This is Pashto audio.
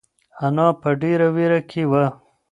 انا په ډېره وېره کې وه.